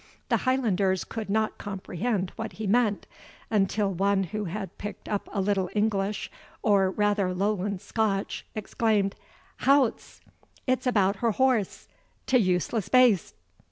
The Highlanders could not comprehend what he meant, until one who had picked up a little English, or rather Lowland Scotch, exclaimed, "Houts! it's a' about her horse, ta useless baste."